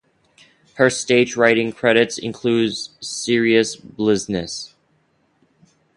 Her stage writing credits include "Serious Bizness".